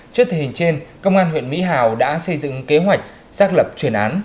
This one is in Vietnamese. trước thể hình trên công an huyện mỹ hào đã xây dựng kế hoạch xác lập chuyển án